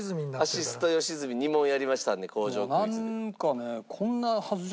アシスト良純２問やりましたんで工場クイズで。